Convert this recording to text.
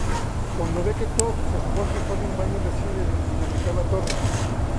Cuando ve que todos sus esfuerzos son en vano, decide dinamitar la torre.